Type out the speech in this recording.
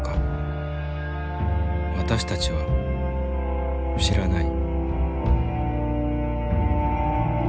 私たちは知らない。